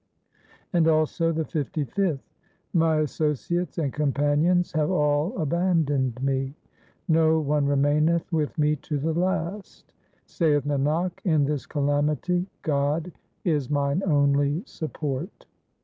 And also the fifty fifth :— My associates and companions have all abandoned me ; no one remaineth with me to the last ; Saith Nanak, in this calamity God is mine only support.